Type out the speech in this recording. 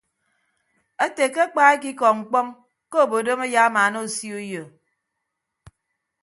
Ete ke akpa ekikọ mkpọñ ke obodom ayamaana osio uyo.